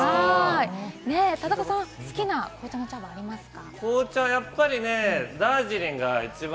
田中さん、好きな紅茶の茶葉はありますか？